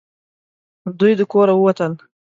دوی د کوره ووتل .